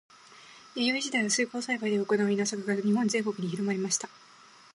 弥生時代は水耕栽培で行う稲作が日本全国に広まりました。